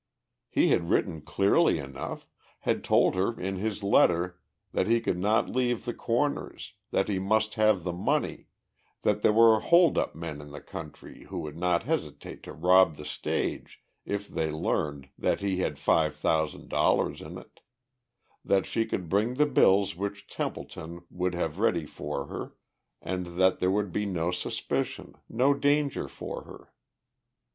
He had written clearly enough, had told her in his letter that he could not leave the Corners, that he must have the money, that there were hold up men in the country who would not hesitate to rob the stage if they learned that he had five thousand dollars in it, that she could bring the bills which Templeton would have ready for her and that there would be no suspicion, no danger for her.